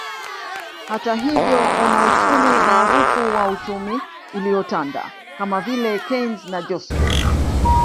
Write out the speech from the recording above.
Hata hivyo wanauchumi maarufu wa uchumi uliotanda kama vile Keynes na Joskow